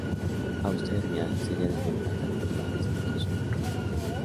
Austria tenía seria desventaja militar respecto a su rival.